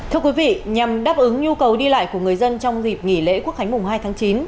thưa quý vị nhằm đáp ứng nhu cầu đi lại của người dân trong dịp nghỉ lễ quốc khánh mùng hai tháng chín